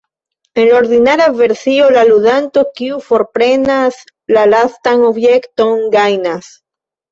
En la ordinara versio la ludanto kiu forprenas la lastan objekton gajnas.